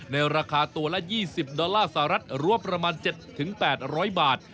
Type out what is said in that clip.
ในราคาตัวละ๒๐ดอลลาร์สหรัฐรั้วประมาณ๗๘๐๐บาท